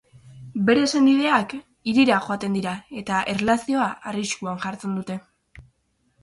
Bere senideak hirira joaten dira eta erlazioa arriskuan jartzen dute.